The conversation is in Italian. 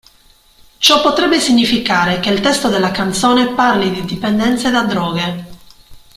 Ciò potrebbe significare che il testo della canzone parli di dipendenza da droghe.